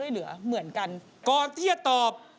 กับพอรู้ดวงชะตาของเขาแล้วนะครับ